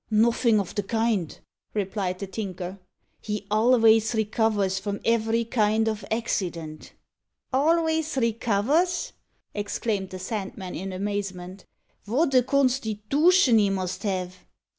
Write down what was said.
"Nuffin' o' the kind," replied the Tinker. "He alvays recovers from every kind of accident." "Alvays recovers!" exclaimed the Sandman, in amazement. "Wot a constitootion he must have!"